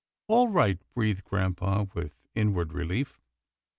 " All right," breathed grampa with inward relief.